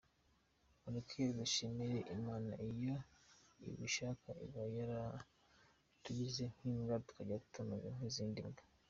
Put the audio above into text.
Mureke dushimire Imana iyo ibishaka iba yaratugize nk’imbwa tukajya tumoka nk’izindi mbwa.